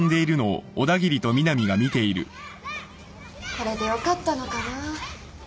これでよかったのかな。